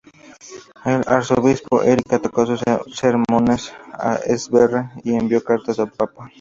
El arzobispo Erik atacó en sus sermones a Sverre y envió cartas al papa.